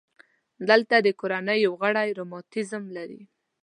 دلته د کورنۍ یو غړی رماتیزم لري.